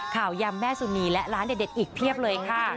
ยำแม่สุนีและร้านเด็ดอีกเพียบเลยค่ะ